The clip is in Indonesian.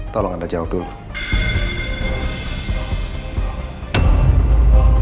tolong anda jawab dulu